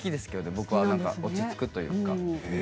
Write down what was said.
僕は落ち着くというか。